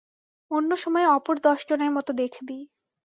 অন্য সময়ে অপর দশ জনের মত দেখবি।